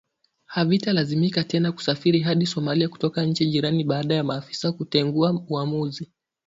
havitalazimika tena kusafiri hadi Somalia kutoka nchi jirani baada ya maafisa kutengua uamuzi